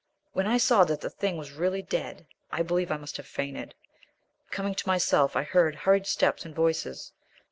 When I saw that the thing was really dead I believe I must have fainted. Coming to myself, I heard hurried steps and voices.